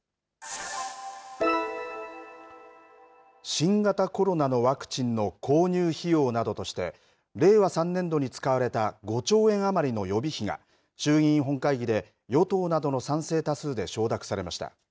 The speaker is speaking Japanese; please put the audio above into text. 新型コロナのワクチンの購入費用などとして令和３年度に使われた５兆円余りの予備費が衆議院本会議で、与党などの賛成多数で承諾されました。